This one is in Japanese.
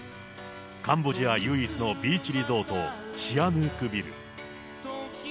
カンボジア唯一のビーチリゾート、シアヌークビル。